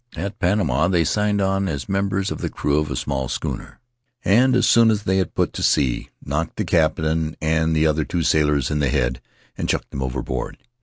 At Panama they signed on as members of the crew of a small schooner, and as soon as they had put to sea knocked the captain and the two other sailors in the head and chucked them overboard.